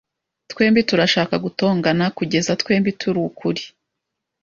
Twembi turashaka gutongana kugeza twembi turi ukuri